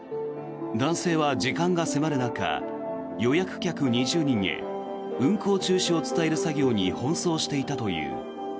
男性は時間が迫る中予約客２０人へ運航中止を伝える作業に奔走していたという。